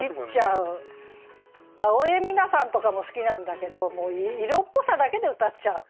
青江三奈さんとかも好きなんだけど色っぽさだけで歌っちゃう。